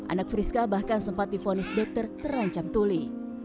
anak friska bahkan sempat difonis dokter terancam tuli